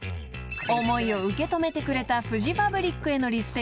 ［思いを受け止めてくれたフジファブリックへのリスペクト］